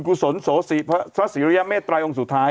ดูดิตั้งแต่ใน